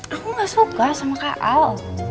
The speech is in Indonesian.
aku gak suka sama kak al